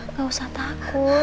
nisa udah bebas